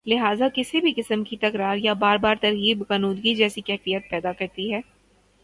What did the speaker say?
لہذا کسی بھی قسم کی تکرار یا بار بار ترغیب غنودگی جیسی کیفیت پیدا کرتی ہے